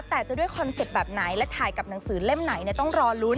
แต่จะด้วยคอนเซ็ปต์แบบไหนและถ่ายกับหนังสือเล่มไหนต้องรอลุ้น